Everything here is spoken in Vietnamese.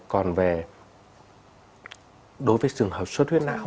còn về đối với sử dụng hợp suất huyết não